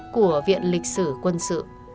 của viện lịch sử quân sự